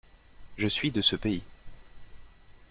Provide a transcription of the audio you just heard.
Je suis de ce pays.